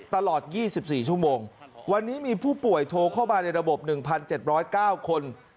ตลอด๒๔ชั่วโมงวันนี้มีผู้ป่วยโทรเข้ามาในระบบ๑๗๐๙คน